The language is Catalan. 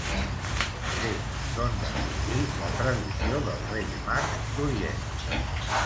Fet d'on va sorgir la tradició dels Reis Mags d'Orient.